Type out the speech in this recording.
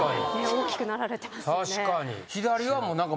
大きくなられてますよね。